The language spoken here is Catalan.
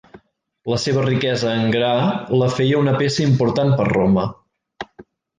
La seva riquesa en gra la feia una peça important per Roma.